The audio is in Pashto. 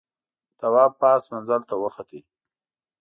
تواب پاس منزل ته وخوت.